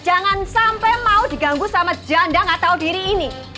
jangan sampai mau diganggu sama janda gak tahu diri ini